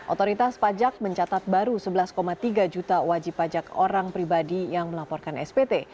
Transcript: otoritas pajak mencatat baru sebelas tiga juta wajib pajak orang pribadi yang melaporkan spt